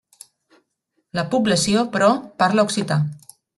La població, però, parla occità.